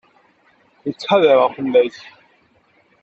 Nekk ttḥadareɣ fell-ak.